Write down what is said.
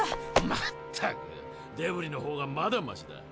まったくデブリのほうがまだマシだ。